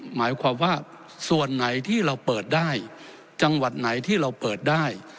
หมายความว่าส่วนไหนที่เราเปิดได้จังหวัดไหนที่เราเปิดได้